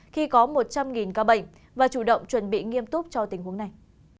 khi có một trăm linh ca bệnh và chủ động chuẩn bị nghiêm túc cho tình huống này